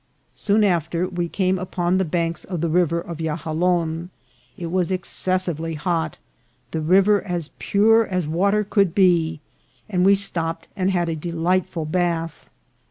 Soon after we came upon the banks of the River of Yahalon. It was excessively hot, the river as pure as water could be. and we stopped and had a delightful bath.